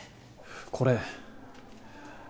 これ。